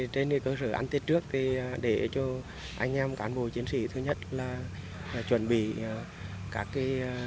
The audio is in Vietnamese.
trên cơ sở ăn tết trước thì để cho anh em cán bộ chiến sĩ thứ nhất là chuẩn bị các